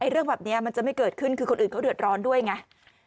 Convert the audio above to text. เรื่องแบบนี้มันจะไม่เกิดขึ้นคือคนอื่นเขาเดือดร้อนด้วยไง